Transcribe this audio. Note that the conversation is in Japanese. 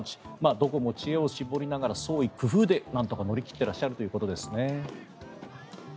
どこも知恵を絞りながら創意工夫で乗り切っていらっしゃるということですね。